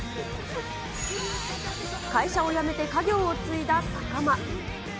会社を辞めて家業を継いだ坂間。